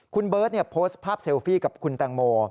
คุณเบิร์ตโพสต์ภาพเซลฟี่กับคุณแตงโม